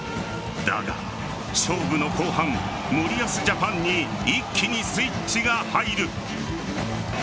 だが、勝負の後半森保ジャパンに一気にスイッチが入る。